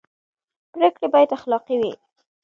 پرېکړې باید اخلاقي وي